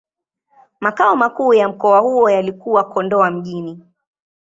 Makao makuu ya mkoa huo yalikuwa Kondoa Mjini.